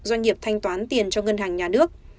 doanh nghiệp thanh toán tiền cho ngân hàng nhà nước